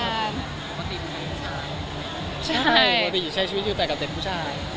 ใช่ปกติใช้ชีวิตอยู่แต่กับเด็กผู้ชาย